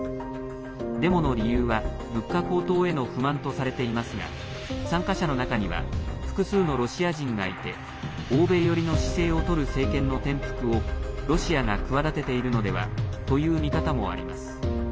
デモの理由は、物価高騰への不満とされていますが参加者の中には複数のロシア人がいて欧米寄りの姿勢をとる政権の転覆をロシアが企てているのではという見方もあります。